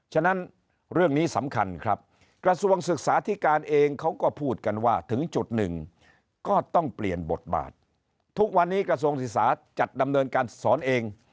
ฉะนั้นเรื่องนี้สำคัญครับกระทรวงศึกษาธิการเองเขาก็พูดกันว่าถึงจุดหนึ่งก็ต้องเปลี่ยนบทบาททุกวันนี้กระทรวงศึกษาจัดดำเนินการสอนเอง